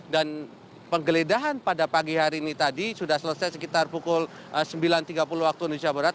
dan penggeledahan pada pagi hari ini tadi sudah selesai sekitar pukul sembilan tiga puluh waktu indonesia barat